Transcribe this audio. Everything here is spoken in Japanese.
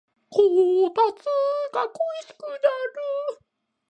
こたつが恋しくなる